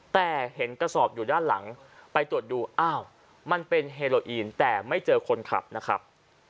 แต่เห็นกระสอบอยู่ด้านหลังไปตรวจดูอ้าวมันเป็นเฮโลอีนแต่ไม่เจอคนขับนะครับ